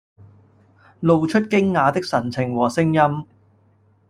露出驚訝的神情和聲音